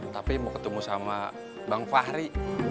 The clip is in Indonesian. tapi mau ketemu sama bang fahri